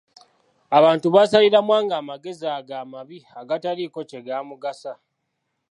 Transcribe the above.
Abantu baasalira Mwanga amagezi ago amabi agataliiko kye gaamugasa.